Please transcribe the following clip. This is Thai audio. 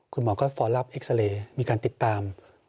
คุณหมอก็ฟอร์รับเอ็กซาเรย์มีการติดตาม